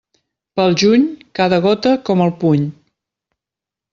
Pel juny, cada gota, com el puny.